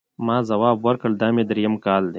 ما ځواب ورکړ، دا مې درېیم کال دی.